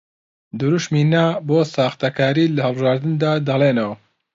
دروشمی نا بۆ ساختەکاری لە هەڵبژاردندا دەڵێنەوە